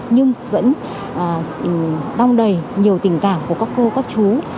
nhưng vẫn đong đầy nhiều tình cảm của các cô các chú